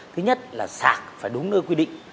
thứ nhất là sạc phải đúng nơi quy định